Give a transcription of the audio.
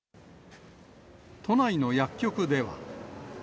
都内の薬局では。